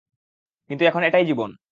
কিন্তু এখন, এটাই জীবন।